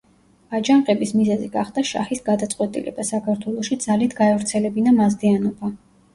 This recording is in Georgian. აჯანყების მიზეზი გახდა შაჰის გადაწყვეტილება, საქართველოში ძალით გაევრცელებინა მაზდეანობა.